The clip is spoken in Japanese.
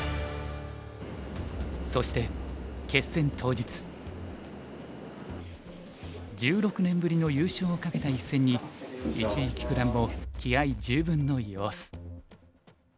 そして１６年ぶりの優勝をかけた一戦に一力九段も気合い十分の様子。